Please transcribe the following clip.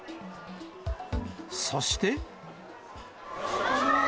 そして。